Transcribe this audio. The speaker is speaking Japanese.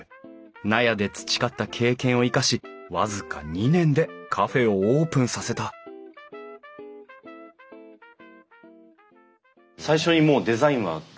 納屋で培った経験を生かし僅か２年でカフェをオープンさせた最初にもうデザインは考えてたんですか？